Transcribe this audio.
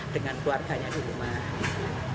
dengan keluarganya di rumah